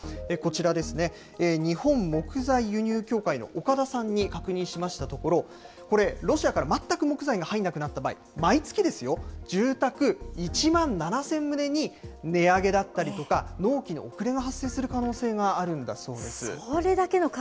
こちらですね、日本木材輸入協会の岡田さんに確認しましたところ、これ、ロシアから全く木材が入んなくなった場合、毎月ですよ、住宅１万７０００棟に値上げだったりとか、納期の遅れが発生する可能性があるんだそうです。